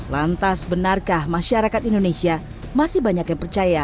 lantas benarkah masyarakat indonesia masih banyak yang percaya